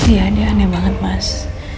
ya dia aneh banget mas